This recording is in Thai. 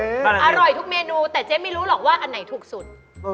อร่อยทุกเมนูแต่เจ๊ไม่รู้หรอกว่าอันไหนถูกสุด